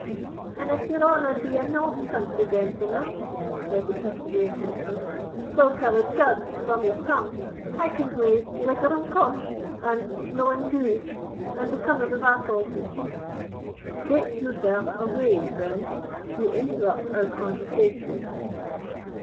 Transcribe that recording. "And if your honour be a north country gentleman," said the persevering minstrel, "whilk I wad judge from your tongue, I can play 'Liggeram Cosh,' and 'Mullin Dhu,' and 'The Cummers of Athole.'" "Take yourself away, friend; you interrupt our conversation."